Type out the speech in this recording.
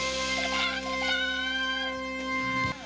แน่นั่น